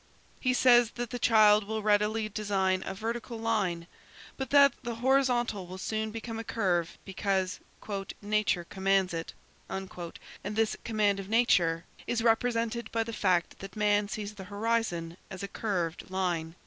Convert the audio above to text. He says that the child will readily design a vertical line, but that the horizontal will soon become a curve, because "nature commands it " and this command of nature is represented by the fact that man sees the horizon as a curved line!